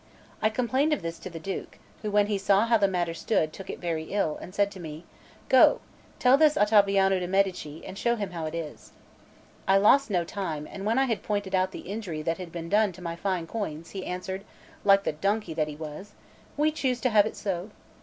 I complained of this to the Duke, who, when he saw how the matter stood, took it very ill, and said to me: "Go, tell this to Ottaviano de' Medici, and show him how it is." I lost no time; and when I had pointed out the injury that had been done to my fine coins, he answered, like the donkey that he was: "We choose to have it so."